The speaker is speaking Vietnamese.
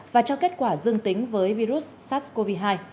và cho kết quả dương tính